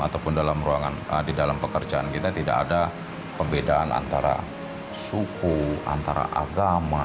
ataupun di dalam pekerjaan kita tidak ada pembedaan antara suku antara agama